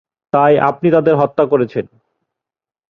তাই আপনি তাদের হত্যা করেছেন।